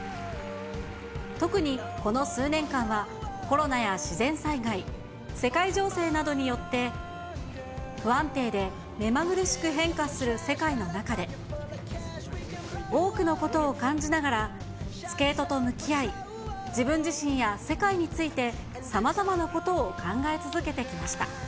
特にこの数年間はコロナや自然災害、世界情勢などによって不安定で目まぐるしく変化する世界の中で、多くのことを感じながら、スケートと向き合い、自分自身や世界について、さまざまなことを考え続けてきました。